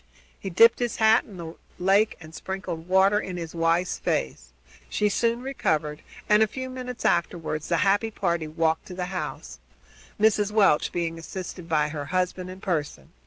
He dipped his hat in the lake and sprinkled water in his wife's face. She soon recovered and, a few minutes afterward, the happy party walked up to the house, Mrs. Welch being assisted by her husband and Pearson.